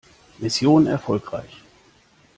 Mission erfolgreich!